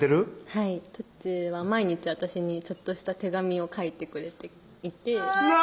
はいとっちは毎日私にちょっとした手紙を書いてくれていて何？